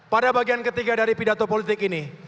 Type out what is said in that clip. pada bagian ketiga dari pidato politik ini